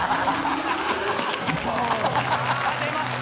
「出ました。